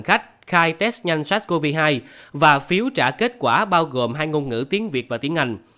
khách khai test nhanh sars cov hai và phiếu trả kết quả bao gồm hai ngôn ngữ tiếng việt và tiếng anh